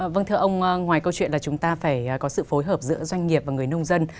vâng thưa ông ngoài câu chuyện là chúng ta phải có sự phối hợp giữa doanh nghiệp và người nông dân